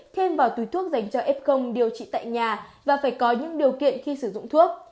thêm vào túi thuốc dành cho f công điều trị tại nhà và phải có những điều kiện khi sử dụng thuốc